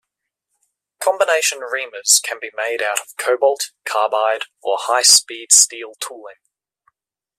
Combination reamers can be made out of cobalt, carbide, or high speed steel tooling.